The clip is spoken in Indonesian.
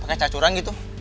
pake cara curang gitu